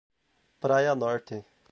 Praia Norte